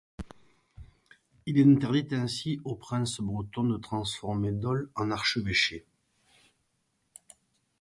Il interdit ainsi aux princes bretons de transformer Dol en archevêché.